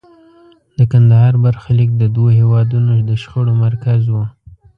د کندهار برخلیک د دوو هېوادونو د شخړو مرکز و.